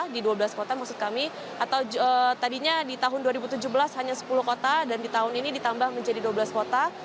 di dua belas kota maksud kami atau tadinya di tahun dua ribu tujuh belas hanya sepuluh kota dan di tahun ini ditambah menjadi dua belas kota